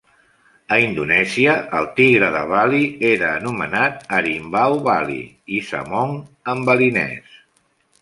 A Indonèsia, el tigre de Bali era anomenat "harimbau bali" i "samong" en balinès.